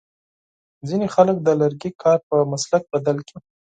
ځینې خلک د لرګي کار په مسلک بدل کړی.